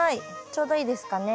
ちょうどいいですかね。